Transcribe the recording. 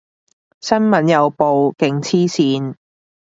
新聞有報，勁黐線